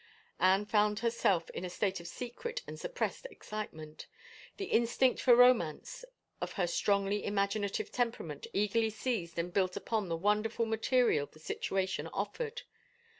Anne found herself in a state of secret and suppressed excitement The instinct for romance of her strongly imaginative temperament eagerly seized and built upon the wonderful material the situation offered.